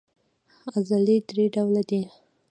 عضلې درې ډوله دي.